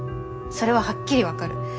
それははっきり分かる。